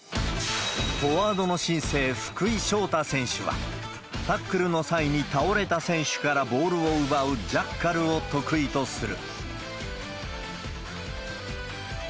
フォワードの新星、福井翔大選手は、タックルの際に倒れた選手からボールを奪うジャッカルを得意とする。